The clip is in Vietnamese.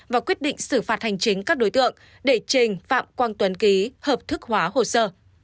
và quyết định xử phạt hành chính các đối tượng để trình phạm quang tuấn ký hợp thức hóa hồ sơ